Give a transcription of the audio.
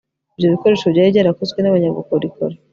ibyo bikoresho byari byarakozwe n abanyabukorikori